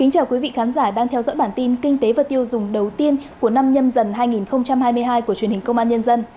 chào mừng quý vị đến với bản tin kinh tế và tiêu dùng đầu tiên của năm nhâm dần hai nghìn hai mươi hai của truyền hình công an nhân dân